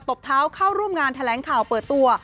บเท้าเข้าร่วมงานแถลงข่าวเปิดตัว